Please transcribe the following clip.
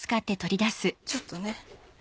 ちょっとね。